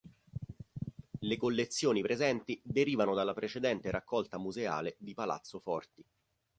Le collezioni presenti derivano dalla precedente raccolta museale di Palazzo Forti.